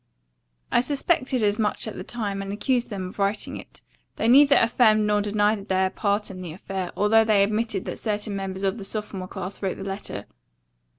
I suspected as much at the time, and accused them of writing it. They neither affirmed nor denied their part in the affair, although they admitted that certain members of the sophomore class wrote the letter.